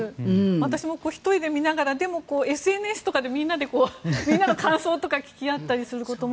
私も１人で見ながらＳＮＳでみんなの感想とか聞きあったりすることも。